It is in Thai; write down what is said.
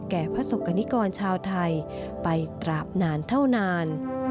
พระศกกรณิกรชาวไทยไปตราบนานเท่านาน